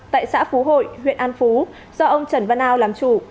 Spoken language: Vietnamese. tại xã phú hội huyện an phú do ông trần văn ao làm chủ